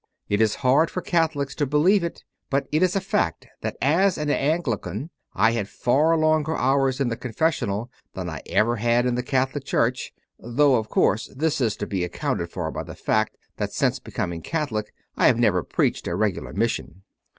It is hard for Catholics to believe it, but it is a fact that as an Anglican I had far longer hours in the confessional than I have ever had in the Catholic Church, though, of course, this is to be accounted for by the fact that since becoming a Catholic I have never preached a regular mission.